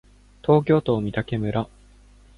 東京都三宅村